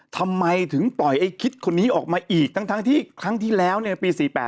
ทำไมถึงปล่อยไอ้คิดคนนี้ออกมาอีกทั้งที่ครั้งที่แล้วปี๔๘